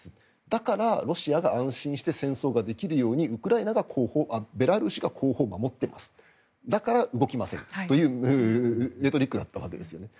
だからロシアが安心して戦争ができるようにベラルーシが後方を守ってますだから動きませんというレトリックだったわけですね。